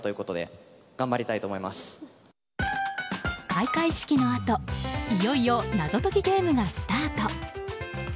開会式のあといよいよ謎解きゲームがスタート。